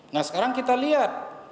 nah sekarang kita lihat